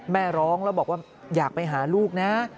แม่ร้องแล้วบอกว่าอยากไปหาลูกนะ